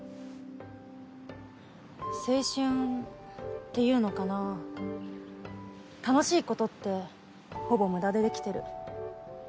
青春っていうのかな楽しいことってほぼ無駄で出来てる。